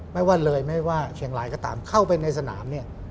ไม่ว่าเลยไม่ว่าเชียงรายก็ตามเข้าไปในสนามเนี่ย